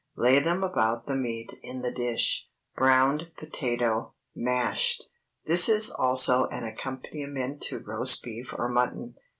Lay them about the meat in the dish. BROWNED POTATO.—(Mashed.) This is also an accompaniment to roast beef or mutton.